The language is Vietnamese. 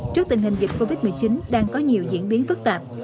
trước tình hình dịch covid một mươi chín đang có nhiều diễn biến phức tạp